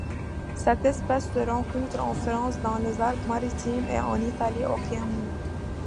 Cette espèce se rencontre en France dans les Alpes-Maritimes et en Italie au Piémont.